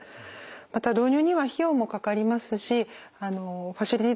また導入には費用もかかりますしファシリティ